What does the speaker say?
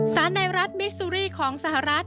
ในรัฐมิซูรีของสหรัฐ